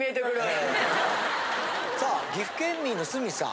さあ岐阜県民の鷲見さん。